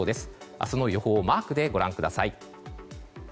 明日の予報をマークでご覧ください。